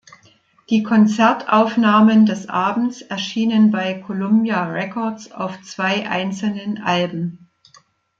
Die Konzertaufnahmen des Abends erschienen bei Columbia Records auf zwei einzelnen Alben.